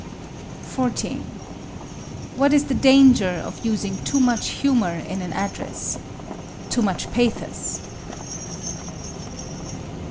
14. What is the danger of using too much humor in an address? Too much pathos?